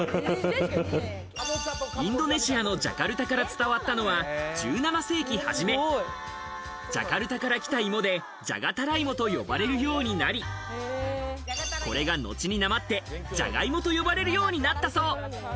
インドネシアのジャカルタから伝わったのは１７世紀初め、ジャカルタから来たいもでじゃがたらいもと呼ばれるようになり、これが後になまって、じゃがいもと呼ばれるようになったそう。